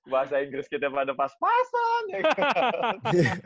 bahasa inggris kita pada pas pasan